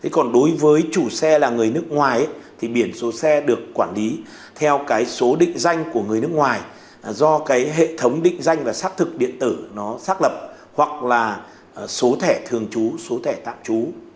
còn đối với chủ xe là người nước ngoài thì biển số xe được quản lý theo cái số định danh của người nước ngoài do cái hệ thống định danh và xác thực điện tử nó xác lập hoặc là số thẻ thường trú số thẻ tạm trú